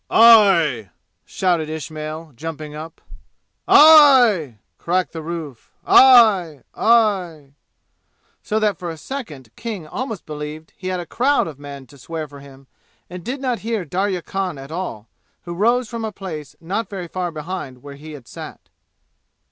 "I!" shouted Ismail, jumping up. "I!" cracked the roof. "I! I!" So that for a second King almost believed he had a crowd of men to swear for him and did not hear Darya Khan at all, who rose from a place not very far behind where had sat.